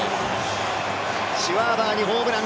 シュワーバーにホームラン。